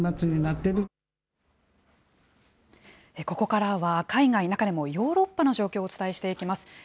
ここからは海外、中でもヨーロッパの状況をお伝えしていきます。